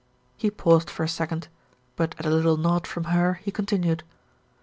He paused for a second; but at a little nod from her he continued.